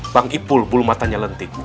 bang ipul bulu matanya lentik